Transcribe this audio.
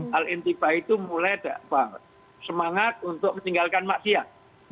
hal intiba itu mulai semangat untuk meninggalkan maksiat